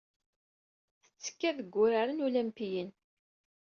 Tettekka deg Wuraren Ulimpiyen.